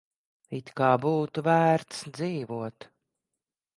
It kā būtu vērts dzīvot.